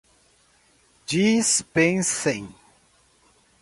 dispensem